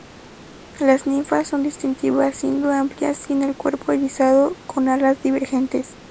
Las ninfas son distintivas, siendo amplias y con el cuerpo erizado con alas divergentes.